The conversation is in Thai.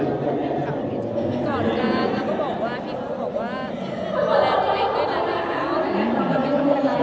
ก่อนจากก็บอกว่าพี่สูงบอกว่าวันแล้วต้องไปกันหน้าเท้า